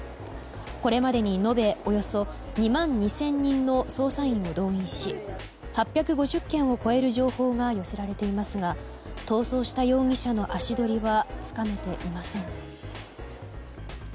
これまでに延べおよそ２万２０００人の捜査員を動員し８５０件を超える情報が寄せられていますが逃走した容疑者の足取りはつかめていません。